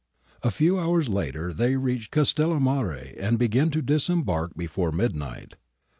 ^ A few hours later they reached Castellamare and began to disembark before midnight.